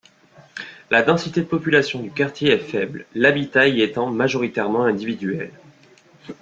La densité de population du quartier est faible, l’habitat y étant majoritairement individuel.